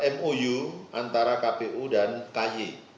mou antara kpu dan ky